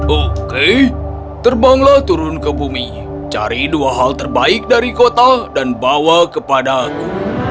oke terbanglah turun ke bumi cari dua hal terbaik dari kota dan bawa kepada aku